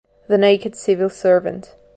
The Naked Civil Servant